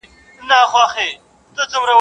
خپل کور اوماچک نه سي کولاى، د بل کره ماچې کوي.